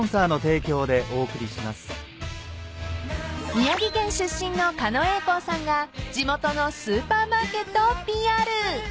［宮城県出身の狩野英孝さんが地元のスーパーマーケットをＰＲ］